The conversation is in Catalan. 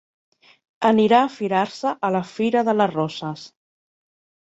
Anirà a firar-se a la fira de les roses.